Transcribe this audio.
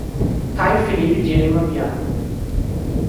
Caio Felipe de Lima Viana